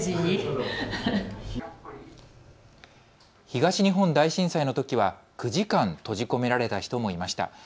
東日本大震災のときは９時間、閉じ込められた人もいました。